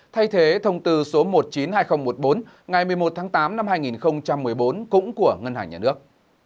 thay thế thông tư số một trăm chín mươi hai nghìn một mươi bốn ngày một mươi một tháng tám năm hai nghìn một mươi bốn cũng của ngân hàng nhà nước